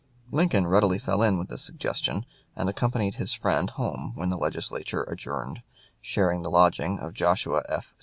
Lincoln readily fell in with this suggestion, and accompanied his friend home when the Legislature adjourned, sharing the lodging of Joshua F.